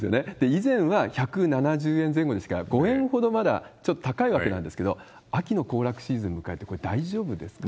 以前は１７０円前後ですから、５円ほど、まだちょっと高いわけなんですけれども、秋の行楽シーズン迎えて、これ、大丈夫ですかね。